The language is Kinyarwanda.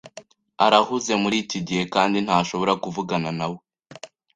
Arahuze muri iki gihe kandi ntashobora kuvugana nawe.